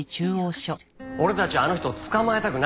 俺たちはあの人を捕まえたくない。